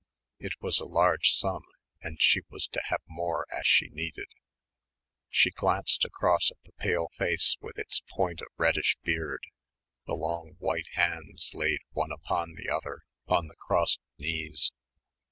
It was a large sum and she was to have more as she needed. She glanced across at the pale face with its point of reddish beard, the long white hands laid one upon the other on the crossed knees.